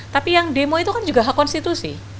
tapi yang demo itu kan juga hak konstitusi